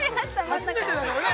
◆初めてだからね。